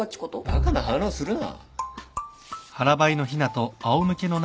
バカな反論するな。